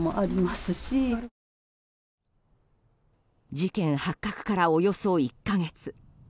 事件発覚からおよそ１か月。